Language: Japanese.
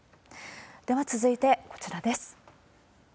では、続いてこちらです。